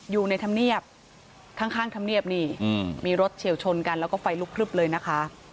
อยู่ในธรรมเนียบข้างธรรมเนียบนี่มีรถเฉียวชนกันแล้วก็ไฟลุกพลึบเลยนะคะ